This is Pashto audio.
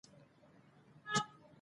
په هوا تللې جوپې د شاهینانو